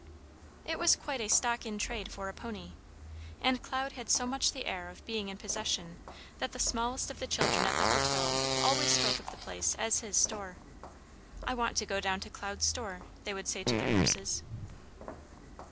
It was quite a stock in trade for a pony, and Cloud had so much the air of being in possession, that the smallest of the children at the hotel always spoke of the place as his store. "I want to go down to Cloud's store," they would say to their nurses.